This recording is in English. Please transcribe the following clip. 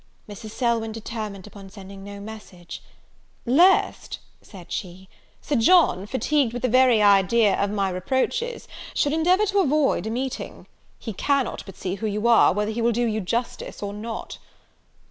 Mrs. Selwyn determined upon sending no message, "Lest," said she, "Sir John, fatigued with the very idea of my reproaches, should endeavour to avoid a meeting. He cannot but see who you are, whether he will do you justice or not."